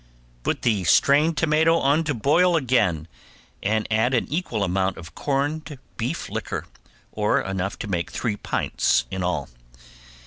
Put the strained tomato on to boil again and add an equal amount of corned beef liquor, or enough to make three pints in all.